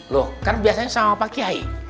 loh karena biasanya sama pak kiai